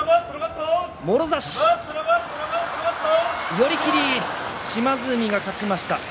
寄り切り島津海が勝ちました。